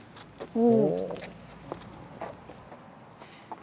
お。